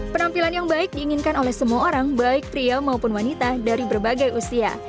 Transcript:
penampilan yang baik diinginkan oleh semua orang baik pria maupun wanita dari berbagai usia